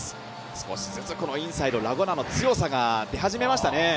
少しずつインサイド、ラ・ゴナの強さが出始めましたね。